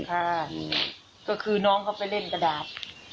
ก็คือน้องเขาไปเล่นกระดาษ